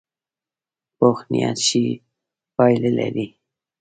پوخ نیت ښې پایلې لري